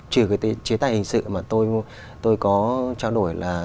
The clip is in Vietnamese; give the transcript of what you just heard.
trừ cái chế tài hình sự mà tôi có trao đổi là